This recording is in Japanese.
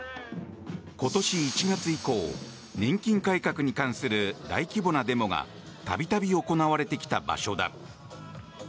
今年１月以降、年金改革に関する大規模なデモがたびたび行われてきた場所だ。